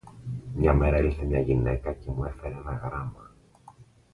Μια μέρα ήλθε μια γυναίκα και μου έφερε ένα γράμμα